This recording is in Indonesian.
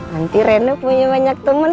nanti reno punya banyak teman